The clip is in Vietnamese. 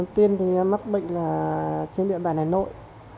đầu tiên thì mắc bệnh là trên địa bàn hà nội